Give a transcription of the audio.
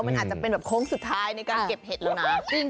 มันอาจจะเป็นแบบโค้งสุดท้ายในการเก็บเห็ดแล้วนะ